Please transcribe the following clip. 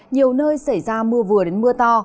nhiều nơi xảy ra mưa vừa đến mưa to